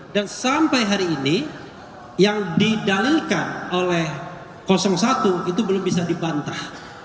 dan sampai hari ini yang didalilkan oleh satu itu belum bisa dibantah